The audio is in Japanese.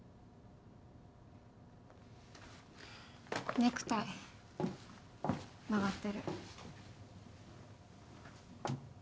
ネクタイ曲がってる。